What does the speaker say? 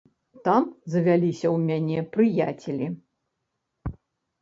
Там завяліся ў мяне прыяцелі.